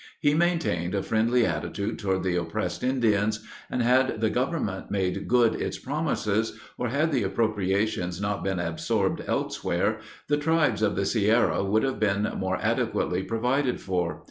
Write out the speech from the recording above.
He maintained a friendly attitude toward the oppressed Indians and, had the government made good its promises, or had the appropriations not been absorbed elsewhere, the tribes of the Sierra would have been more adequately provided for.